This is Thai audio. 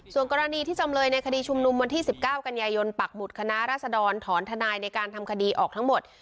ส่วนกรณีที่จำเลยในคดีชุมนุมวันที่๑๙กันยายนปักหุดคณะราษดรถอนทนายในการทำคดีออกทั้งหมด